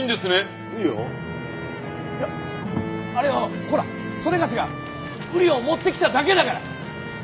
いやあれはほらそれがしが瓜を持ってきただけだから！